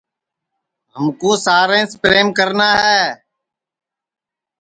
ہمکُو ساریںٚس پریم کرنا ہے